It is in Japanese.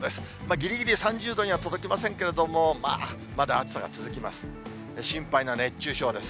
ぎりぎり３０度には届きませんけれども、まだ暑さが続きます。